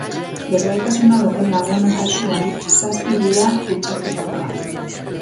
Desgaitasuna dauten lagunen kasuan, zazpi dira kutsatutakoak.